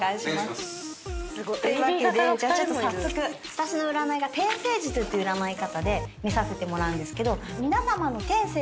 私の占いが天星術っていう占い方で見させてもらうんですけど皆さまの天星が。